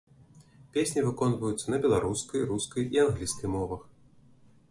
Песні выконваюцца на беларускай, рускай і англійскай мовах.